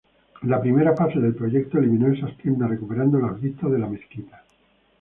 La primera fase del proyecto eliminó esas tiendas, recuperando las vistas de la mezquita.